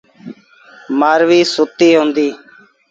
مآرويٚ ستيٚ هُݩديٚ۔